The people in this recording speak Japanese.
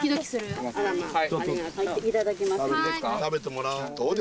食べてもらおう。